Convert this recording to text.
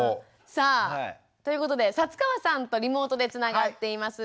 さあということで薩川さんとリモートでつながっています。